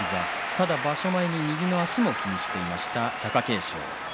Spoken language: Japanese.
ただ場所前に右の足を気にしていました貴景勝。